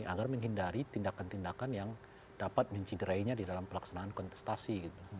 agar menghindari tindakan tindakan yang dapat menciderainya di dalam pelaksanaan kontestasi